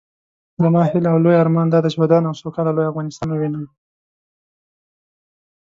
زما هيله او لوئ ارمان دادی چې ودان او سوکاله لوئ افغانستان ووينم